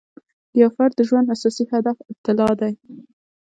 د یو فرد د ژوند اساسي هدف ابتلأ دی.